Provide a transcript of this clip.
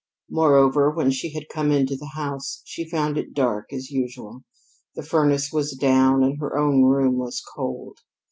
Moreover, when she had come into the house, she had found it dark as usual. The furnace was down, and her own room was cold.